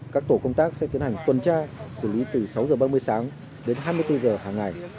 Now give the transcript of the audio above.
các tổ công tác sẽ tiến hành tuần tra xử lý từ sáu h ba mươi sáng đến hai mươi bốn h hàng ngày